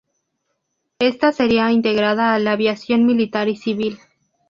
Ésta sería entregada a la aviación militar y civil.